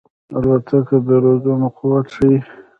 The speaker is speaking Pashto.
الوتکه د وزرونو قوت ښيي.